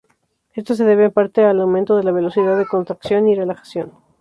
Esto se debe en parte al aumento de la velocidad de contracción y relajación.